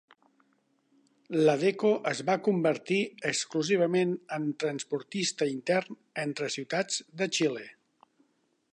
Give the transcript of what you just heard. Ladeco es va convertir exclusivament en transportista intern entre ciutats de Xile.